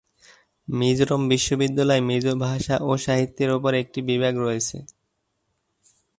মিজোরাম বিশ্ববিদ্যালয়ে মিজো ভাষা ও সাহিত্যের উপর একটি বিভাগ রয়েছে।